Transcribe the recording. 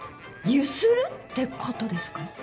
ゆするってことですか？